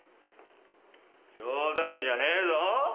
冗談じゃねえぞ！